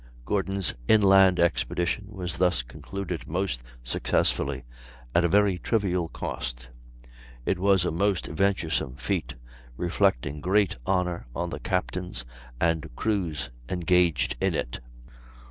Gordon's inland expedition was thus concluded most successfully, at a very trivial cost; it was a most venturesome feat, reflecting great honor on the captains and crews engaged in it.